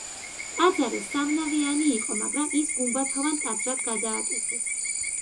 ტაძარი სამნავიანი იყო, მაგრამ ის გუმბათოვან ტაძრად გადააკეთეს.